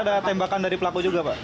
ada tembakan dari pelaku juga pak